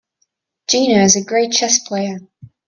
Gina is a great chess player.